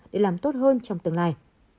để làm tốt hơn trong tương lai